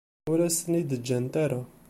Ur as-ten-id-ǧǧant ara.